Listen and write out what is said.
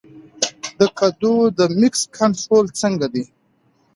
د کدو د مګس کنټرول څنګه دی؟